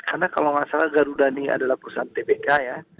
karena kalau tidak salah garudani adalah perusahaan tbk ya